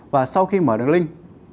và sau khi mở đường link